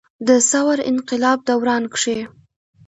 د ثور انقلاب دوران کښې